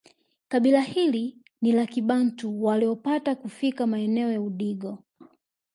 Kabila hili ni la kibantu waliopata kufika maeneo ya Udigo